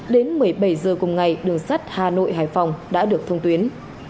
đến một mươi bảy h cùng ngày đường sắt hà nội hải phòng đã được thông tuyến